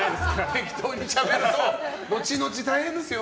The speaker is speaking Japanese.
適当にしゃべると後々、大変ですよ。